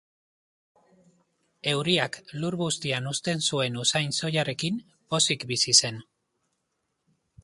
Euriak lur bustian uzten zuen usain soilarekin pozik bizi zen.